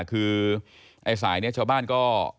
คือไอ้สายนี้ชาวบ้านก็